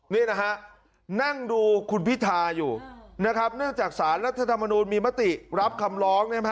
นี่นะฮะนั่งดูคุณพิธาอยู่นะครับเนื่องจากสารรัฐธรรมนูลมีมติรับคำร้อง